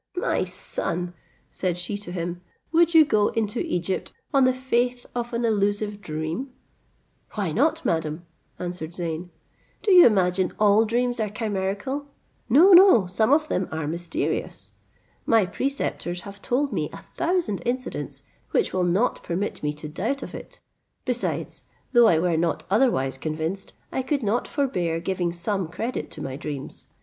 "My son," said she to him, "would you go into Egypt on the faith of an illusive dream?" "Why not, madam," answered Zeyn, "do you imagine all dreams are chimerical? No, no, some of them are mysterious. My preceptors have told me a thousand incidents, which will not permit me to doubt of it. Besides, though I were not otherwise convinced, I could not forbear giving some credit to my dreams.